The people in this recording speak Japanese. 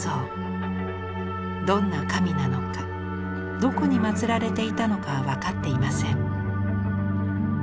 どんな神なのかどこに祀られていたのかは分かっていません。